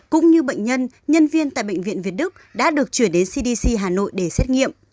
cũng như bệnh nhân nhân viên tại bệnh viện việt đức đã được chuyển đến cdc hà nội để xét nghiệm